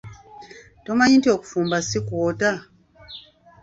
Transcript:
Tomanyi nti okufumba si kwota?